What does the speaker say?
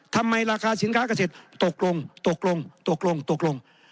ทำไมราคาสินค้ากระเศษตกลงตกลงตกลงตกลง